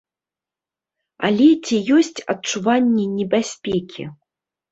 Але ці ёсць адчуванне небяспекі?